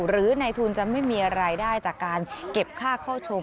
ในทุนจะไม่มีรายได้จากการเก็บค่าเข้าชม